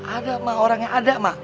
ada emak orangnya ada emak